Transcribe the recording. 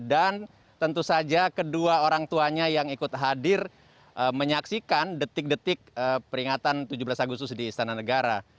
dan tentu saja kedua orang tuanya yang ikut hadir menyaksikan detik detik peringatan tujuh belas agustus di istana negara